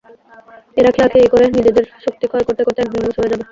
এরা খেয়োখেয়ি করে নিজেদের শক্তি ক্ষয় করতে করতে একদিন ধ্বংস হয়ে যাবে।